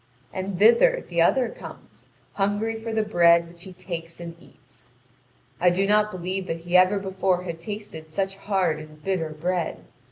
And thither the other comes, hungry for the bread which he takes and eats. I do not believe that he ever before had tasted such hard and bitter bread.